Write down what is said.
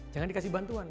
jangan dikasih bantuan